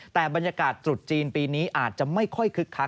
แต่บรรยากาศตรุษจีนปีนี้อาจจะไม่ค่อยคึกคัก